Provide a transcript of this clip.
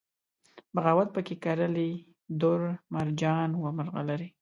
بغاوت پکښې کرلي دُر، مرجان و مرغلرې